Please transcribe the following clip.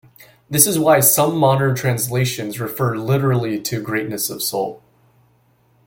This is why some modern translations refer literally to greatness of soul.